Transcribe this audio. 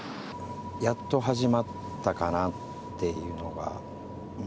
やっと始まったかなっていうのが。